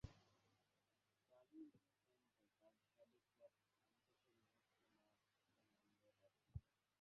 কালই ন্যু ক্যাম্পে তাঁর সাবেক ক্লাব সান্তোসের বিপক্ষে মাঠে নামবে বার্সেলোনা।